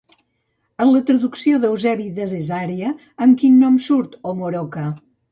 En la traducció d'Eusebi de Cesarea, amb quin nom surt Omoroca?